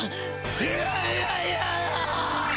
いやいやいや！